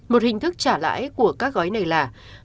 một hình thức trả lãi của các gói này là